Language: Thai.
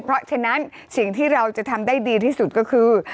เพราะฉะนั้นสิ่งที่เราจะทำได้ดีที่สุดก็คือ